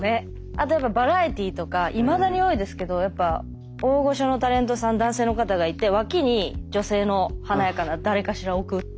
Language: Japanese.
あとやっぱバラエティーとかいまだに多いですけどやっぱ大御所のタレントさん男性の方がいて脇に女性の華やかな誰かしら置くっていう。